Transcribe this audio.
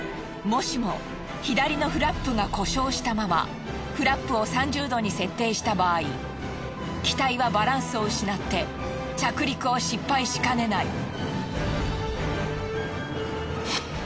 もしも左のフラップが故障したままフラップを３０度に設定した場合機体はバランスを失って着陸を失敗しかねない。